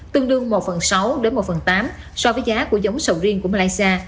tương đương một phần sáu đến một phần tám so với giá của giống sầu riêng của malaysia